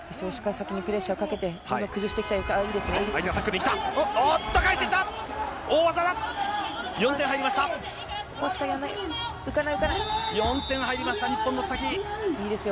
先にプレッシャーをかけて崩していきたいです。